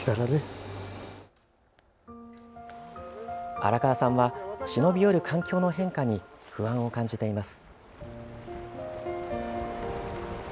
荒川さんは、忍び寄る環境の変化に不安を感じています。